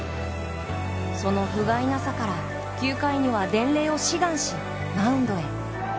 そのふがいなさから９回には伝令を志願しマウンドへ。